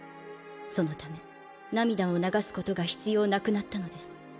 そのため涙を流すことが必要なくなったのです。